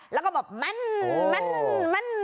แล้วก็บอกหมั่นหมั่นหมั่น